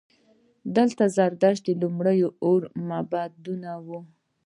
دلته د زردشت لومړني اور معبدونه وو